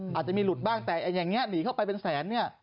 อาจจะมีหลุดบ้างแต่อย่างนี้หนีเข้าไปเป็นแสนเนี่ย